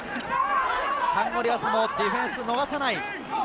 サンゴリアスもディフェンスを逃さない。